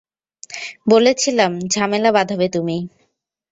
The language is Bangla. বলেছিলাম ঝামেলা বাঁধাবে তুমি।